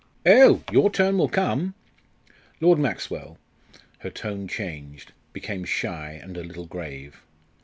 "Oh! your turn will come. Lord Maxwell" her tone changed became shy and a little grave.